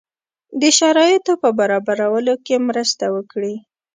د شرایطو په برابرولو کې مرسته وکړي.